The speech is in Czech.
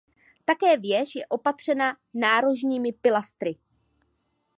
Také věž je opatřena nárožními pilastry.